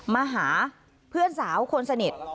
มาหาเพื่อนสาวคนสนิท